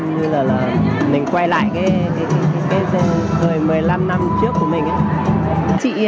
mình quay lại cái thời một mươi năm năm trước của mình